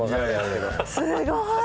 すごい！